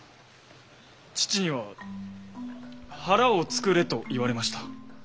父には肚を作れと言われました。